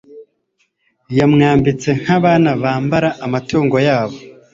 Yamwambitse nkabana bambara amatungo yabo